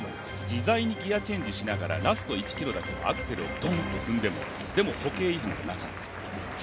自在にギヤチェンジしながらラスト１ｋｍだけアクセルをどんと踏んでもでも歩型違反がなかった。